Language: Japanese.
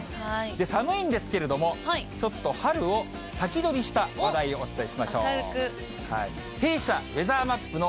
寒いんですけれども、ちょっと春を先取りした話題をお伝えしましょう。